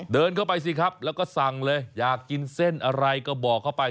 เดินเข้าไปสิครับแล้วก็สั่งเลยอยากกินเส้นอะไรก็บอกเข้าไป